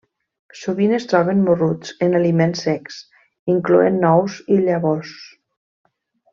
Sovint es troben morruts en aliments secs incloent nous i llavors.